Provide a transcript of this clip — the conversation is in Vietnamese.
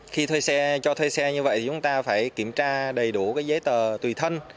khi cho thuê xe như vậy thì chúng ta phải kiểm tra đầy đủ cái giấy tờ tùy thân